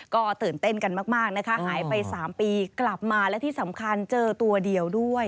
ก็ตื่นเต้นกันมากนะคะหายไป๓ปีกลับมาและที่สำคัญเจอตัวเดียวด้วย